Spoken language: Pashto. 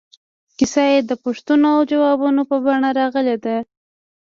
کیسه د پوښتنو او ځوابونو په بڼه راغلې ده.